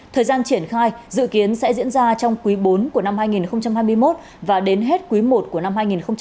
thời gian triển khai dự kiến sẽ diễn ra trong quý bốn của năm hai nghìn hai mươi một và đến hết quý i của năm hai nghìn hai mươi bốn